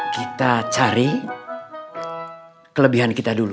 kita cari kelebihan kita dulu